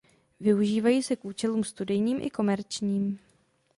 Využívají se k účelům studijním i komerčním.